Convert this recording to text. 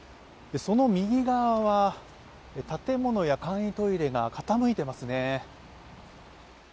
その右側は建物や簡易トイレが傾いていますね。